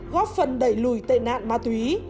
góp phần đẩy lùi tệ nạn ma túy